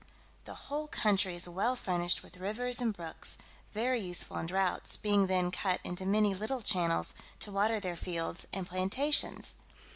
The whole country is well furnished with rivers and brooks, very useful in droughts, being then cut into many little channels to water their fields and plantations.